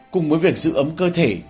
cùng với việc giữ ấm cơ thể